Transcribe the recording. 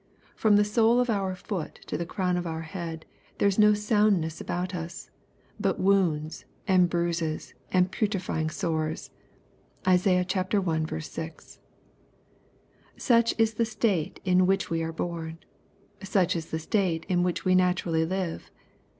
From the sole of our foot to the (^rown of our head, there is no soundness about us, but wounds, and bruises, and putri fying sores. (Isaiah i. 6.) Such is the state in which we are born. Such is the state in which we naturally Uve..